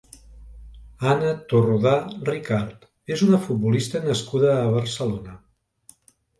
Anna Torrodà Ricart és una futbolista nascuda a Barcelona.